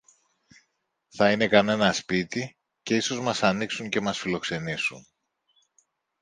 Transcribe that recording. Θα είναι κανένα σπίτι, και ίσως μας ανοίξουν και μας φιλοξενήσουν.